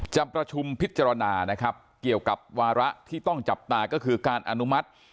จะประชุมพิจารณานะครับเกี่ยวกับวาระที่ต้องจับตาก็คือการอนุมัติ